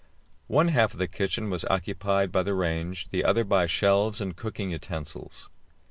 One half of the kitchen was occupied by the range, the other by shelves and cooking utensils.